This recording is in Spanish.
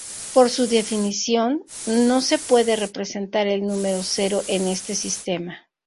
Por su definición, no se puede representar el número cero en este sistema.